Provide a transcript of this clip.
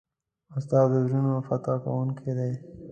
استاد د زړونو فتح کوونکی دی.